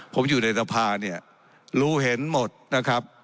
ผมอยู่ในสภาเนี่ยรู้เห็นหมดนะครับ